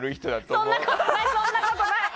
そんなことない！